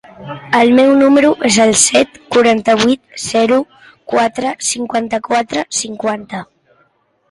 El meu número es el set, quaranta-vuit, zero, quatre, cinquanta-quatre, cinquanta.